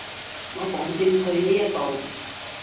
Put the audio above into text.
我保證退呢一步